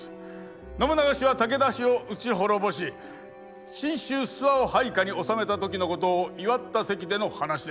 信長氏は武田氏を討ち滅ぼし信州諏訪を配下におさめた時のことを祝った席での話です。